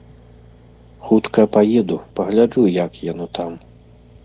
Хутка паеду, пагляджу як яно там.